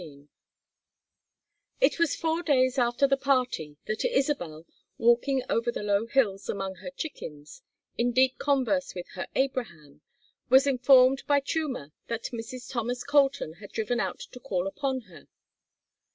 XVII It was four days after the party that Isabel, walking over the low hills among her chickens, in deep converse with her Abraham, was informed by Chuma that Mrs. Thomas Colton had driven out to call upon her.